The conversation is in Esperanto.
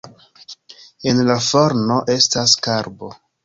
En la forno estas karbo.